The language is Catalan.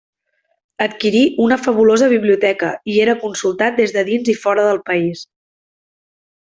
Adquirí una fabulosa biblioteca i era consultat des de dins i fora del país.